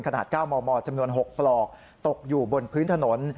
๙มมจำนวน๖ปลอกตกอยู่บนพื้นถนน